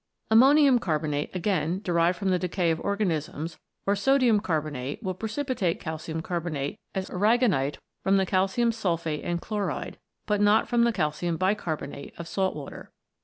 Ammonium carbonate, again, derived from the decay of organisms, or sodium carbonate, will pre cipitate calcium carbonate as aragonite from the calcium sulphate and chloride, but not from the calcium bicarbonate, of salt water.